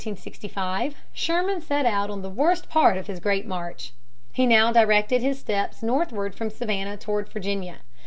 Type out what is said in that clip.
Early in 1865 Sherman set out on the worst part of his great march. He now directed his steps northward from Savannah toward Virginia.